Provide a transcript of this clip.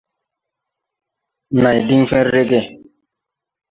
Này diŋ fen rege.